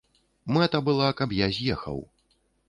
Мэта была, каб я з'ехаў.